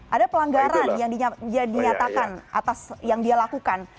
ada pelanggaran yang dinyatakan atas yang dia lakukan